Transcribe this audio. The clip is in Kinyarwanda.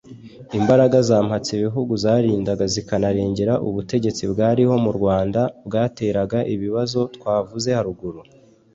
Imbaraga za mpatsibihugu zarindaga zikanarengera ubutegetsi bwariho mu Rwanda bwateraga ibibazo twavuze haruguru